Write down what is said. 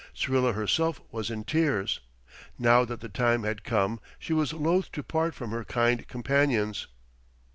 Syrilla herself was in tears. Now that the time had come she was loath to part from her kind companions.